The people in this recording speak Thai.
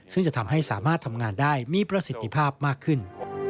ซึ่งจะทำให้สามารถทำงานได้มีประสิทธิภาพมากขึ้น